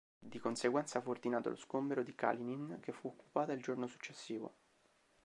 Di conseguenza, fu ordinato lo sgombero di Kalinin, che fu occupata il giorno successivo.